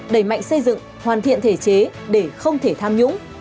đẩy mạnh xây dựng hoàn thiện thể chế để không thể tham nhũng